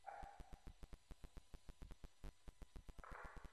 চতুর্দশ দিবস ক্রমাগত দ্বন্দ্বযুদ্ধের পর ভীম জরাসন্ধকে পরাভূত করিলেন।